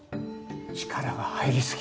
力が入りすぎ。